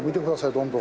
どんどん。